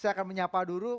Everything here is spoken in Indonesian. saya akan menyapa dulu